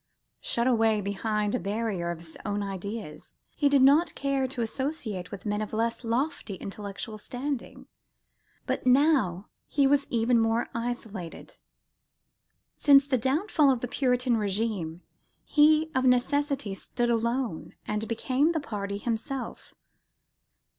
"Shut away behind a barrier of his own ideas," he did not care to associate with men of less lofty intellectual standing. But now he was even more isolated. Since the downfall of the Puritan régime, he of necessity "stood alone, and became the party himself."